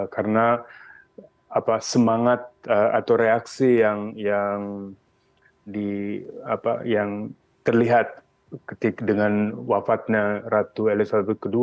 karena semangat atau reaksi yang terlihat ketika dengan wafatnya ratu elizabeth ii